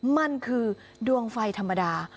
มันคือดวงไฟธรรมดา